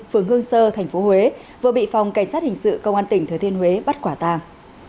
phường hương sơ tp huế vừa bị phòng cảnh sát hình sự công an tỉnh thừa thiên huế bắt quả tàng